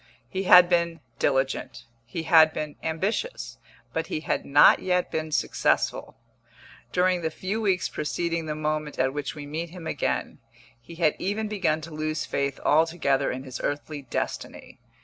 He had been diligent, he had been ambitious, but he had not yet been successful. During the few weeks preceding the moment at which we meet him again, he had even begun to lose faith altogether in his earthly destiny.